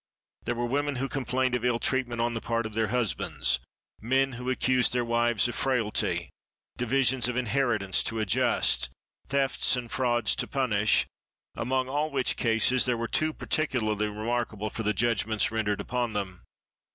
There were women who complained of ill treatment on the part of their husbands; men who accused their wives of frailty; divisions of inheritance to adjust; thefts and frauds to punish ; among all which cases there were two particularly remarkable for the judgments rendered upon them.